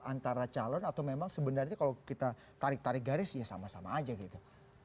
antara calon atau memang sebenarnya kalau kita tarik tarik garis ya sama sama aja gitu